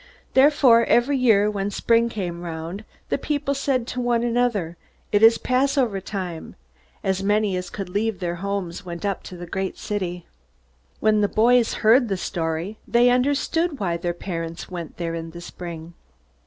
Therefore, every year, when spring came round, the people said to one another, "It is Passover time," and as many as could leave their homes went up to the great city. When the boys heard the story, they understood why their parents went there in the spring.